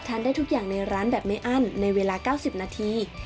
ได้ทุกอย่างในร้านแบบไม่อั้นในเวลา๙๐นาที